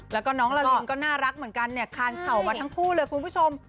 แล้วก็น้องละลินก็น่ารักเหมือนกันเนี่ยคานเข่ามาทั้งคู่เลยคุณผู้ชม